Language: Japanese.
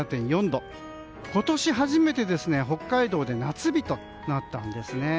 今年初めて北海道で夏日となったんですね。